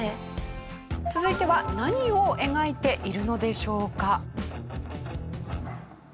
続いては何を描いているのでしょうか？